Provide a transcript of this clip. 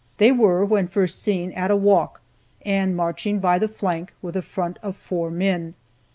They were, when first seen, at a walk, and marching by the flank, with a front of four men.